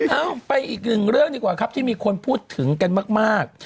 เอ้าไปอีกหนึ่งเรื่องดีกว่าครับที่มีคนพูดถึงกันมาก